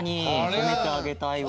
ほめてあげたいわ。